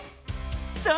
そう。